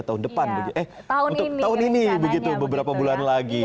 tahun depan eh tahun ini beberapa bulan lagi